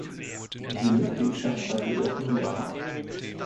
Die Mitgliedschaft war jedoch nur locker.